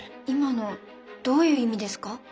今のどういう意味ですか？